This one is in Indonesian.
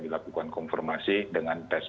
dilakukan konfirmasi dengan test